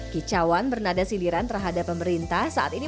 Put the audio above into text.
kicauan bernada sindiran terhadap pemerintah saat ini